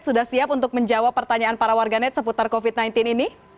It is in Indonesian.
sudah siap untuk menjawab pertanyaan para warganet seputar covid sembilan belas ini